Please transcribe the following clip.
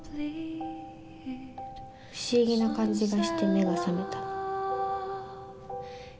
不思議な感じがして目が覚めたの。